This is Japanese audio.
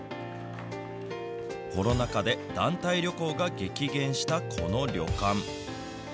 コロナ禍で団体旅行が激減したこの旅館。